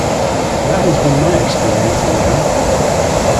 That has been my experience anyhow.